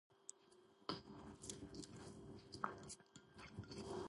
საბჭოთა პერიოდში განვითარებული იყო მეჩაიეობა, მესიმინდეობა, მევენახეობა.